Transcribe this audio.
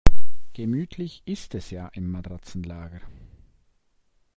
Gemütlich ist es ja im Matratzenlager.